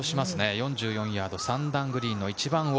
４４ヤード、３段グリーンの一番奥。